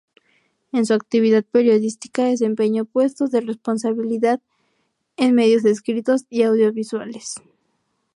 En su actividad periodística desempeñó puestos de responsabilidad en medios escritos y audiovisuales.